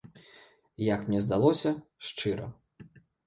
Як мне здалося, шчыра.